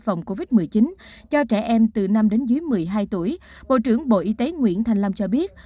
phòng covid một mươi chín cho trẻ em từ năm đến dưới một mươi hai tuổi bộ trưởng bộ y tế nguyễn thành long cho biết